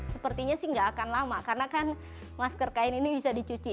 sepertinya sih nggak akan lama karena kan masker kain ini bisa dicuci